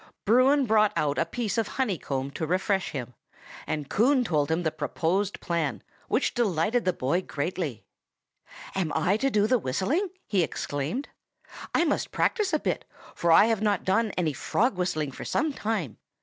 Bruin brought a piece of honeycomb to refresh him, and Coon told him the proposed plan, which delighted the boy greatly. "And I am to do the whistling?" he exclaimed. "I must practise a bit, for I have not done any frog whistling for some time."